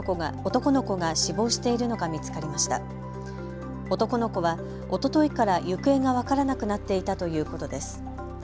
男の子はおとといから行方が分からなくなっていたということです。